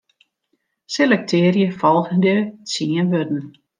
Selektearje folgjende tsien wurden.